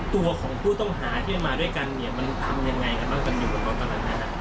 ตัวของผู้ต้องหาที่มาด้วยกันเนี่ยมันทำยังไงกันบ้างกันอยู่ตรงนั้นเนี่ย